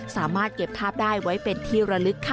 สามารถเก็บภาพได้ไว้เป็นที่ระลึกค่ะ